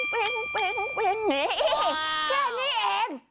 ปึ๊บนี่แค่นี้เอง